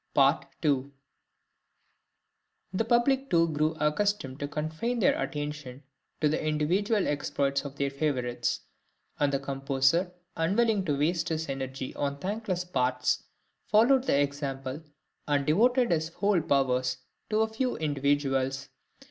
} (164) The public too grew accustomed to confine their attention to the individual exploits of their favourites; and the composer, unwilling to waste his energy on thankless parts, followed the example, and devoted his whole powers to a few individuals.